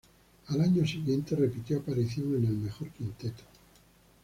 Al año siguiente repitió aparición en el mejor quinteto.